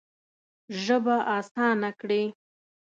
ژبه اسانه کړې.